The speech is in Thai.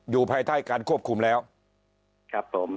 ภายใต้การควบคุมแล้วครับผม